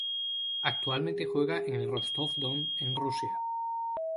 Actualmente juega en el Rostov-Don en Rusia.